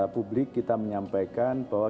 publik kita menyampaikan bahwa